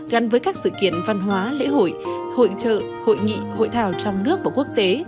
gắn với các sự kiện văn hóa lễ hội hội trợ hội nghị hội thảo trong nước và quốc tế